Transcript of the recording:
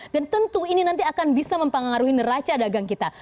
dan tentu ini nanti akan bisa mempengaruhi neraca dagang kita